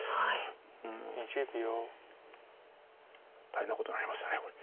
大変なことになりましたこれ。